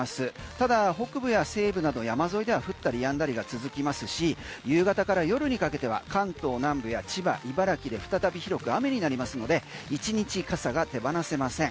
ただ北部や西部など山沿いでは降ったりやんだりが続きますし夕方から夜にかけては関東南部や千葉茨城で再び広く雨になりますので１日傘が手放せません。